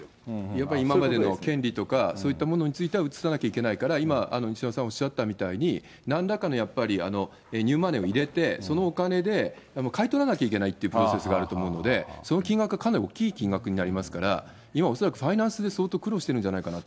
やっぱり今までの権利とか、そういったものについては移さなきゃいけないから、今、西山さん、おっしゃったみたいに、なんらかのやっぱりニューマネーを入れて、そのお金で買い取らなきゃいけないというプロセスがあると思うので、その金額はかなり大きい金額になりますから、今恐らくファイナンスで相当苦労してるんじゃないかなと。